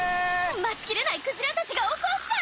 待ちきれないクジラたちが怒った！